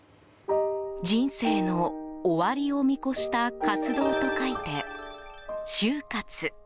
人生の終わりを見越した活動と書いて、終活。